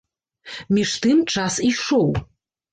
Між тым, час ішоў.